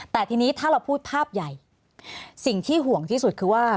แต่ทีนี้ถ้าเราพูดภาพใหญ่สิ่งที่ห่วงที่สุดคือว่า